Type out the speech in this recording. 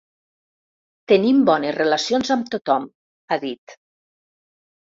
Tenim bones relacions amb tothom, ha dit.